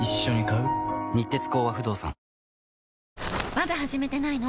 まだ始めてないの？